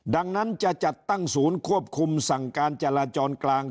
ดังนั้นจะจัดตั้งศูนย์ควบคุมสั่งการจราจรกลาง